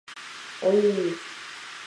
おいいい